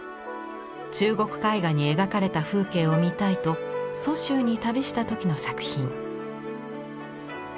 中国絵画に描かれた風景を見たいと蘇州に旅した時の作品。